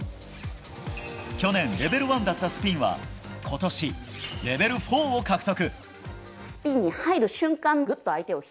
去年、レベル１だったスピンは今年、レベル４を獲得。